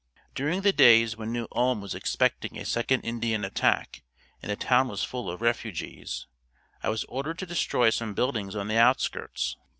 During the days when New Ulm was expecting a second Indian attack and the town was full of refugees, I was ordered to destroy some buildings on the outskirts.